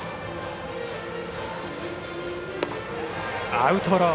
アウトロー。